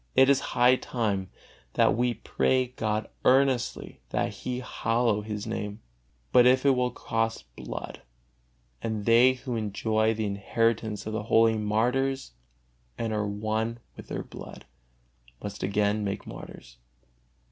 It is high time that we pray God earnestly that He hallow His Name. But it will cost blood, and they who enjoy the inheritance of the holy martyrs and are won with their blood, must again make martyrs.